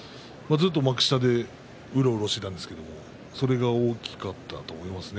ずっと幕下でうろうろしていたんですけれどもそれが大きかったと思いますね